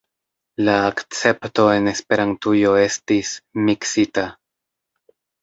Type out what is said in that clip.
La akcepto en Esperantujo estis… miksita.